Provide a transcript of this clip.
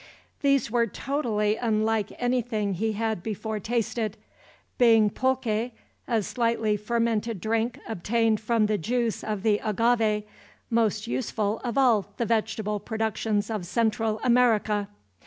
These were totally unlike anything he had before tasted; being pulque, a slightly fermented drink obtained from the juice of the agave, most useful of all the vegetable productions of Central America.